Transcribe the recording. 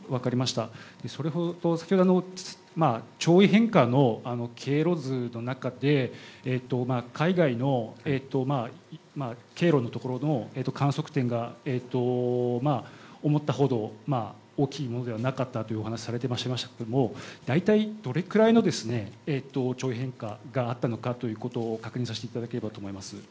先ほど潮位変化の経路図の中で海外の経路のところの観測点が思ったほど大きいものではなかったというお話をされていましたけど大体、どれくらいの潮位変化があったのかということを確認させていただければと思います。